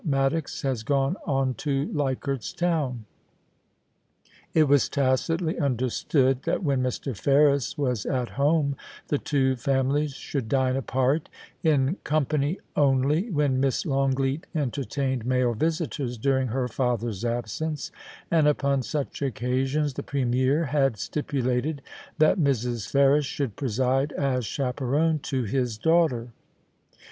Maddox has gone on to Leichardt's Town.' It was tacitly understood that when Mr. Ferris was at home the two families should dine apart ; in company only when Miss Longleat entertained male visitors during her father's absence, and upon such occasions the Premier had stipulated that Mrs. Ferris should preside as chaperon to his daughter.